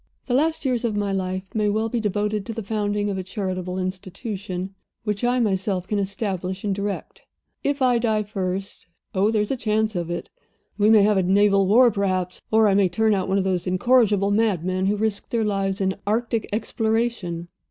The later years of my life may well be devoted to the founding of a charitable institution, which I myself can establish and direct. If I die first oh, there is a chance of it! We may have a naval war, perhaps, or I may turn out one of those incorrigible madmen who risk their lives in Arctic exploration.